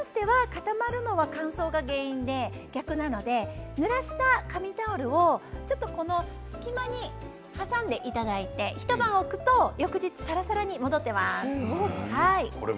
固まるのは乾燥が原因で逆なのでぬらした紙タオルを隙間に挟んでいただいて一晩おくと翌日さらさらに戻っています。